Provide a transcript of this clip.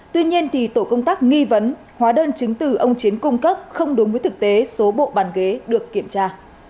tuy nhiên tổ công tác nghi vấn hóa đơn chứng từ ông chiến cung cấp không đúng với thực tế số bộ bàn ghế được kiểm tra